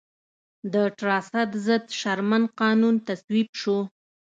د ټراست ضد شرمن قانون تصویب شو.